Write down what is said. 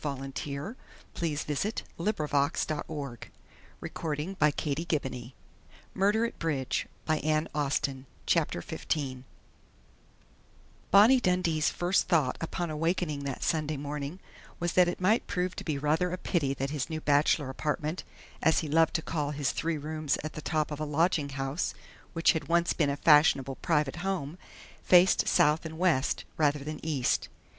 Dundee shook his head. "Since I don't like Dexter Sprague a little bit, chief, I'd like to think so, but " CHAPTER FIFTEEN Bonnie Dundee's first thought upon awakening that Sunday morning was that it might prove to be rather a pity that his new bachelor apartment, as he loved to call his three rooms at the top of a lodging house which had once been a fashionable private home, faced south and west, rather than east.